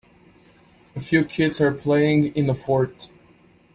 A few kids are playing in a fort.